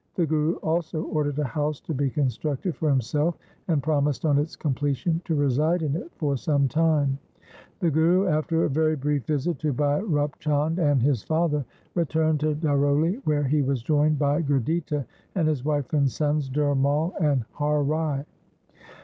The Guru also ordered a house to be constructed for himself and promised on its completion to reside in it for some time. The Guru after a very brief visit to Bhai Rup Chand and his father, returned to Daroli, where he was joined by Gurditta and his wife and sons, Dhirmal and Har Rai.